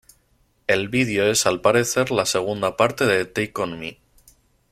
El vídeo es al parecer la segunda parte de "Take On Me".